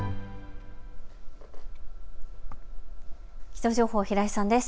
気象情報、平井さんです。